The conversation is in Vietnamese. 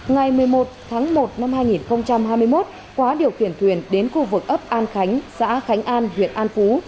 ngày một mươi một tháng một năm hai nghìn hai mươi một quá điều khiển thuyền đến khu vực ấp an khánh xã khánh an huyện an phú